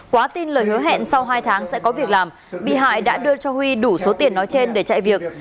quá tin lời hứa hẹn sau hai tháng sẽ có việc làm bị hại đã đưa cho huy đủ số tiền nói trên để chạy việc